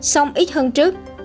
xong ít hơn trước